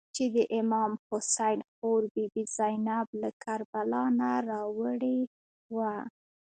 چې د امام حسین خور بي بي زینب له کربلا نه راوړې وه.